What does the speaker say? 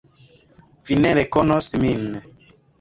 Vi ne rekonos min.